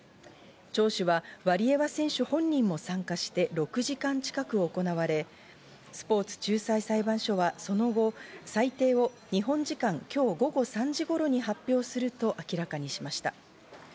聴取はワリエワ選手本人も参加して６時間近く行われ、スポーツ仲裁裁判所はその後、裁定を日本時間きょう午後３時頃に発表すると明らかにしました。